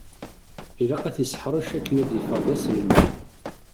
Ilaq ad t-tesseḥṛeceḍ akken ad d-yeffeɣ d aselmad!